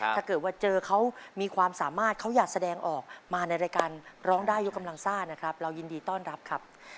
ถ้าเกิดว่าเจอเขามีความสามารถเขาอยากแสดงออกมาในรายการร้องได้ยกกำลังซ่านะครับเรายินดีต้อนรับครับ